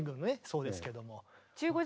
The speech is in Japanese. そうですけども。